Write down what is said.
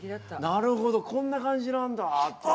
なるほどこんな感じなんだって